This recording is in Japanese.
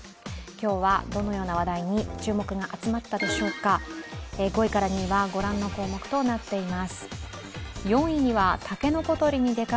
今日はどのような話題に注目が集まったのでしょうか。